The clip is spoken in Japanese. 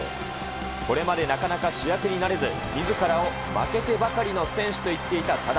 これまでなかなか主役になれず、みずからを負けてばかりの選手と言っていた多田。